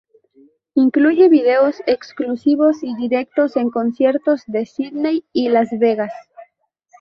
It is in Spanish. Incluye videos exclusivos y directos en conciertos de Sídney y Las Vegas.